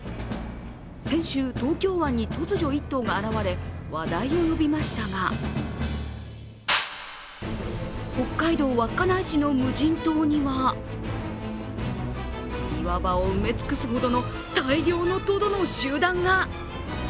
先週、東京湾に突如１頭が現れ、話題を呼びましたが、北海道稚内市の無人島には岩場を埋め尽くすほどの大量のトドの集団が。